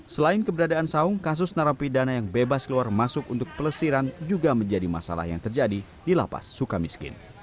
selain keberadaan saung kasus narapidana yang bebas keluar masuk untuk pelesiran juga menjadi masalah yang terjadi di lapas suka miskin